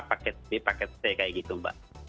paket b paket c kayak gitu mbak